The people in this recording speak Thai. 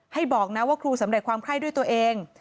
บอกนะว่าครูสำเร็จความไข้ด้วยตัวเอง